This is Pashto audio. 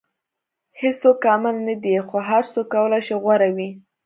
• هیڅوک کامل نه دی، خو هر څوک کولی شي غوره وي.